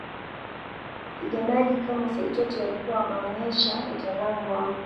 Wapiganaji kama Saitoti walikuwa wameonyesha utaalam wao